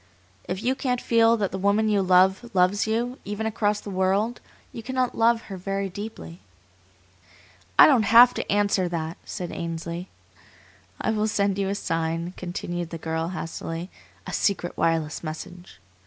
"If you can't feel that the woman you love loves you, even across the world, you cannot love her very deeply." "I don't have to answer that!" said Ainsley. "I will send you a sign," continued the girl, hastily; "a secret wireless message.